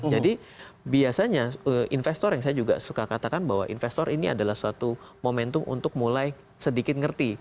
jadi biasanya investor yang saya juga suka katakan bahwa investor ini adalah suatu momentum untuk mulai sedikit ngerti